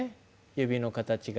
指の形が。